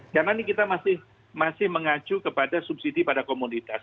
karena ini kita masih mengacu kepada subsidi pada komunitas